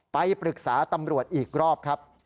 ไปปรึกษาตำรวจอีกรอบครับ